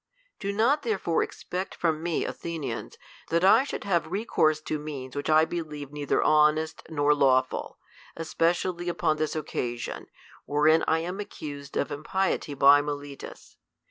Do not therefore expect. from me, Athenians, that t should have recourse to means which I believe nei ther honest nor lawful ; especially upon this occasion, wherein I am accused of impiety by Melitus.